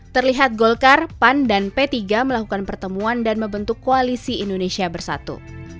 terlihat golkar pan dan p tiga melakukan pertemuan dan membentuk koalisi indonesia bersatu